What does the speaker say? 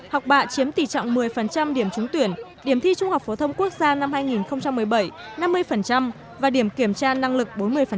học bạ chiếm tỷ trọng một mươi điểm trúng tuyển điểm thi trung học phổ thông quốc gia năm hai nghìn một mươi bảy năm mươi và điểm kiểm tra năng lực bốn mươi